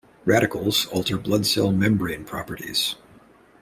Radicals alter blood cell membrane properties.